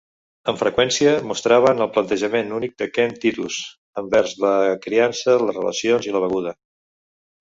Amb freqüència mostraven el plantejament únic de Ken Titus envers la criança, les relacions i la beguda.